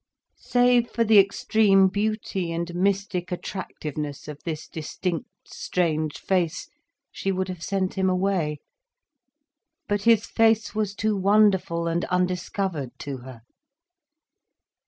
Save for the extreme beauty and mystic attractiveness of this distinct, strange face, she would have sent him away. But his face was too wonderful and undiscovered to her.